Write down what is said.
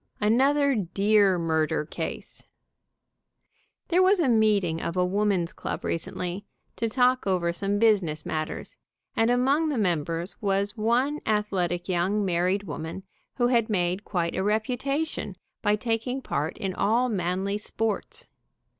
ANOTHER DEER MURDER CASE 171 ANOTHER DEER MURDER CASE. There was a meeting of a woman's club recently, to talk over some business matters, and among the members was one athletic young married woman, who had made quite a reputation by taking part in all manly sports.